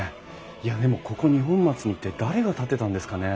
いやでもここ二本松に一体誰が建てたんですかね？